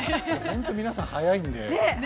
◆本当、皆さん早いんで。